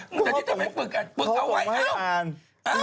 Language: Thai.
มึงจะที่จะไปปึกเอาไว้เอ้าเจ้าปึกอ่าน